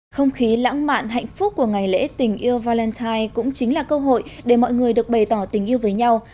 không khí lãng mạn hạnh phúc của ngày lễ tình yêu valentine cũng chính là cơ hội để mọi người được bày tỏ tình yêu với nhau